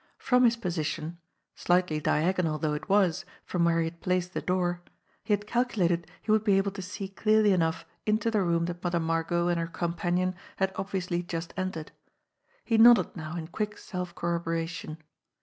From his position, slightly diagonal though it was from where he had placed the door, he had calculated he would be able to see clearly enough into the room that Mother Margot and her com MOTHER MARGOT 57 panion had obviously just entered. He nodded now in quick self corroboration.